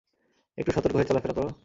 একটু সতর্ক হয়ে চলাফেরা করো?